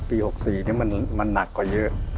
ปี๖๔นี้มันหนักกว่าเยอะ